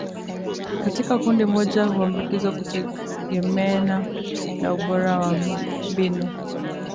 katika kundi moja huambukizwa kutegemena na ubora wa mbinu